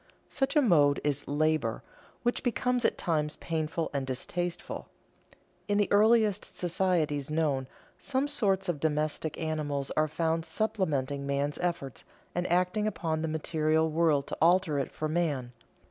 Such a mode is "labor," which becomes at times painful and distasteful. In the earliest societies known, some sorts of domestic animals are found supplementing man's efforts and acting upon the material world to alter it for man.